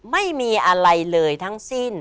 ไม่มีอะไรเลยทั้งสิ้น